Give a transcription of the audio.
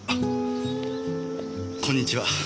こんにちは。